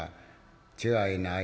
違いない。